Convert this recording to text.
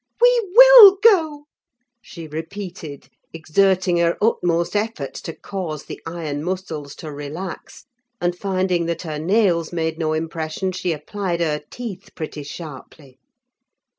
"We will go!" she repeated, exerting her utmost efforts to cause the iron muscles to relax; and finding that her nails made no impression, she applied her teeth pretty sharply.